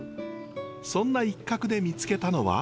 そんな一角で見つけたのは。